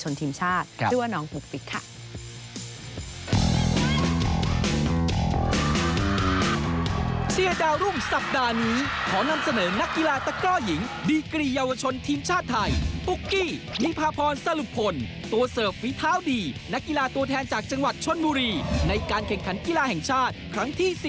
แล้วก็เป็นนักตะกรอยาวชนทีมชาติด้วยน้องปุ๊กปิ๊กค่ะ